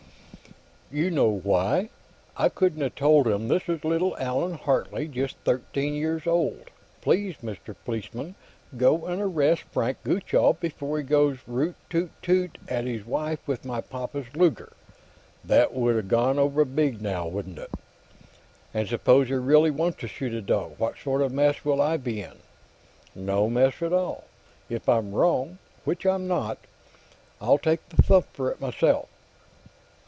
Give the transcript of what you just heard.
"You know why. I couldn't have told them, 'This is little Allan Hartley, just thirteen years old; please, Mr. Policeman, go and arrest Frank Gutchall before he goes root toot toot at his wife with my pappa's Luger.' That would have gone over big, now, wouldn't it?" "And suppose he really wants to shoot a dog; what sort of a mess will I be in?" "No mess at all. If I'm wrong which I'm not I'll take the thump for it, myself.